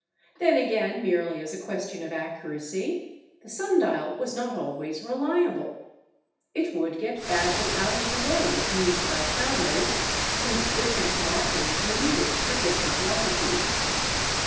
Then, again, merely as a question of accuracy, the sun dial was not always reliable. It would get badly out of the way if used by travelers, since different markings were needed for different latitudes.